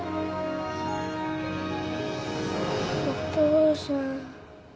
お父さん。